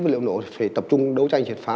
và liệu nổ thì phải tập trung đấu tranh triệt phá